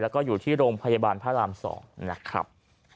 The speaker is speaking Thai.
แล้วก็อยู่ที่โรงพยาบาลพระราม๒นะครับ